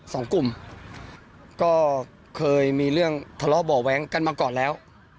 สองกลุ่มก็เคยมีเรื่องทะเลาะเบาะแว้งกันมาก่อนแล้ว